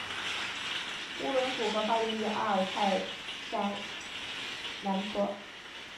乌伦古河发源于阿尔泰山南坡。